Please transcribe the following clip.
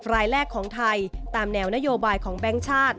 รายแรกของไทยตามแนวนโยบายของแบงค์ชาติ